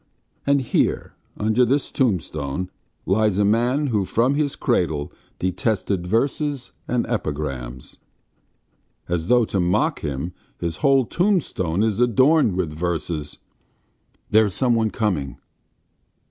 And here, under this tombstone, lies a man who from his cradle detested verses and epigrams. ... As though to mock him his whole tombstone is adorned with verses. ... There is someone coming!"